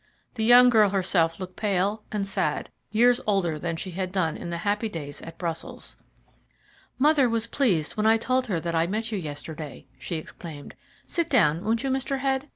The young girl herself looked pale and sad, years older than she had done in the happy days at Brussels. "Mother was pleased when I told her that I met you yesterday," she exclaimed. "Sit down, won't you, Mr. Head?